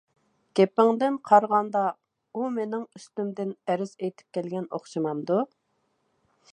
گېپىڭگە قارىغاندۇ ئۇ مېنىڭ ئۈستۈمدىن ئەرز ئېيتىپ كەلگەن ئوخشىمامدۇ؟